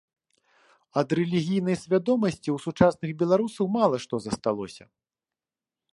Ад рэлігійнай свядомасці ў сучасных беларусаў мала што засталося.